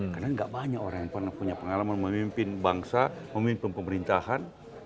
karena nggak banyak orang yang pernah punya pengalaman memimpin bangsa memimpin pemerintahan